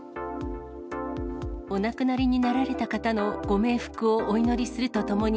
お亡くなりになられた方のご冥福をお祈りするとともに、